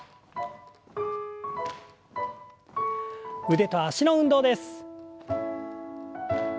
腕と脚の運動です。